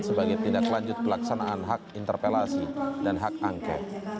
sebagai tindak lanjut pelaksanaan hak interpelasi dan hak angket